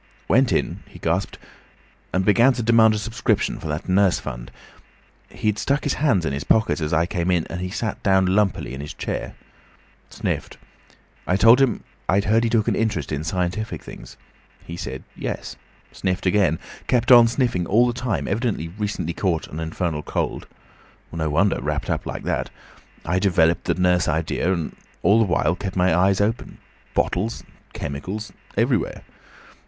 "Went in," he gasped, "and began to demand a subscription for that Nurse Fund. He'd stuck his hands in his pockets as I came in, and he sat down lumpily in his chair. Sniffed. I told him I'd heard he took an interest in scientific things. He said yes. Sniffed again. Kept on sniffing all the time; evidently recently caught an infernal cold. No wonder, wrapped up like that! I developed the nurse idea, and all the while kept my eyes open. Bottles—chemicals—everywhere.